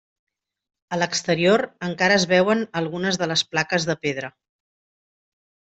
A l'exterior, encara es veuen algunes de les plaques de pedra.